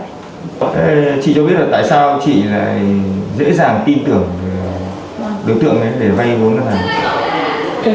chị cho biết là tại sao chị lại dễ dàng tin tưởng được tượng đấy để vay vốn ngân hàng